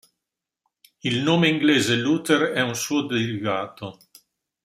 Il nome inglese "Luther "è un suo derivato.